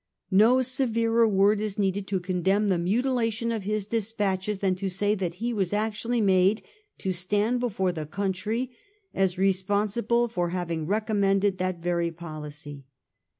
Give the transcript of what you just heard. No severer word is needed to condemn the mutilation of his despatches than to say that he was actually made to stand before the country as responsible for having recommended that very policy.